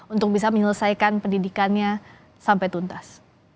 untuk bisa menyelesaikan pendidikannya sampai tuntas